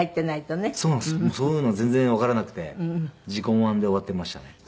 そういうのが全然わからなくて自己満で終わってましたね。